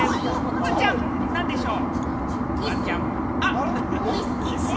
フワちゃん、なんでしょう？